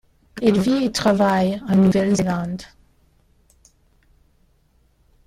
Elle vit et travaille en Nouvelle-Zélande.